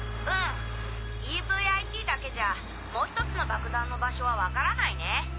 うんＥＶＩＴだけじゃもう１つの爆弾の場所は分からないね。